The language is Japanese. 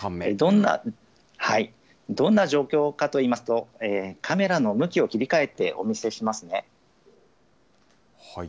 どんな状況かといいますと、カメラの向きを切り替えて、お見せしますね。